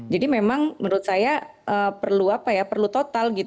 jadi memang menurut saya perlu total